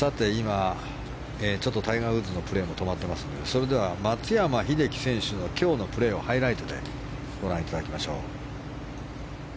タイガーのプレーも止まっていますので松山英樹選手の今日のプレーをハイライトでご覧いただきましょう。